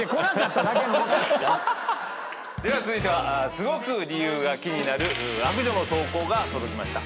すごく理由が気になる悪女の投稿が届きました。